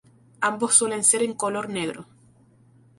Ambos suelen ser en color negro.